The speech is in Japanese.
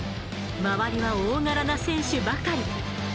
周りは大柄な選手ばかり。